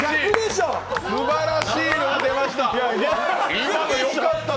すばらしいの出ました。